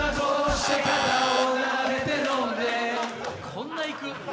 こんないく⁉